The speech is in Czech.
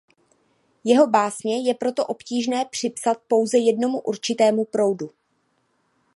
Jeho básně je proto obtížné připsat pouze jednomu určitému proudu.